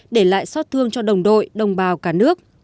để lại so tương cho đồng đội đồng bào cả nước